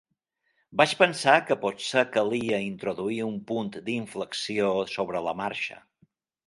Vaig pensar que potser calia introduir un punt d'inflexió sobre la marxa.